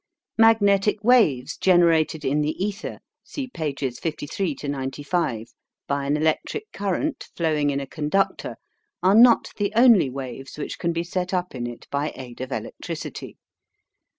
Magnetic waves generated in the ether (see pp. 53 95) by an electric current flowing in a conductor are not the only waves which can be set up in it by aid of electricity.